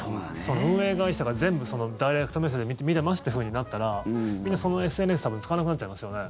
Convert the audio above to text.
運営会社が全部ダイレクトメール見れますってふうになったらみんな、そのＳＮＳを多分使わなくなっちゃいますよね。